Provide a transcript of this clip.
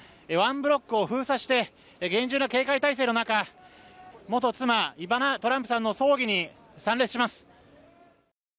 １ブロックを封鎖して厳重な警戒態勢の中元妻イバナ・トランプさんの葬儀に参列します。